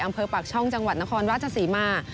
อำเภอปากช่องจังหวัดนครราชศรีมา